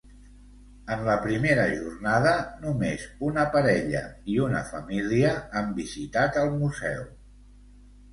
En la primera jornada, només una parella i una família han visitat el museu.